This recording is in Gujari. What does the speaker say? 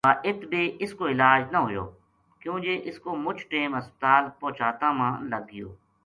با اِت بے اس کو علاج نہ ہویو کیوں جے اس کو مُچ ٹیم ہسپتال پوہچاتاں ما لگ گیو